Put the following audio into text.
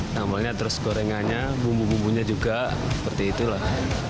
sambalnya terus gorengannya bumbu bumbunya juga seperti itulah